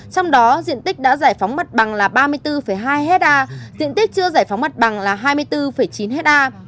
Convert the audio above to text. trong đó diện tích đã giải phóng mặt bằng là ba mươi bốn hai hectare diện tích chưa giải phóng mặt bằng là hai mươi bốn chín ha